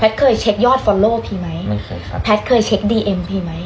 เคยเช็คยอดฟอลโลทีไหมไม่เคยครับแพทย์เคยเช็คดีเอ็มทีไหม